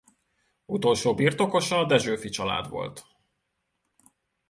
Utolsó birtokosa a Dessewffy család volt.